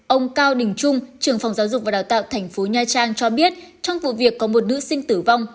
ông cao đình trung trưởng phòng giáo dục và đào tạo tp nha trang cho biết trong vụ việc có một nữ sinh tử vong